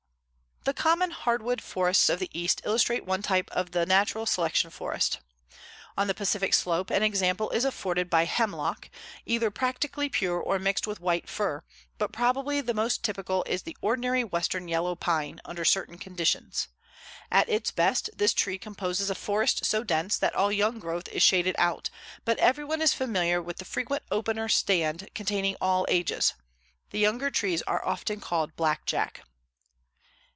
The common hardwood forests of the East illustrate one type of the natural selection forest. On the Pacific slope an example is afforded by hemlock, either practically pure or mixed with white fir, but probably the most typical is the ordinary Western yellow pine under certain conditions. At its best this tree composes a forest so dense that all young growth is shaded out, but everyone is familiar with the frequent opener stand containing all ages. The younger trees are often called blackjack.